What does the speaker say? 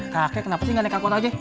kakek kenapa sih nggak naik akun aja